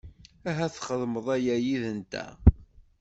Ahat txedmeḍ aya yid-nteɣ.